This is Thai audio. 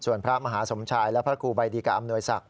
ส่วนพระมหาสมชายและพระครูใบดีกาอำนวยศักดิ